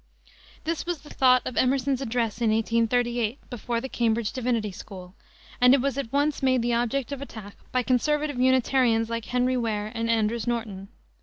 This was the thought of Emerson's address in 1838 before the Cambridge Divinity School, and it was at once made the object of attack by conservative Unitarians like Henry Ware and Andrews Norton.